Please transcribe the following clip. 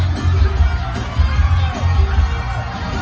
เมื่อเมื่อ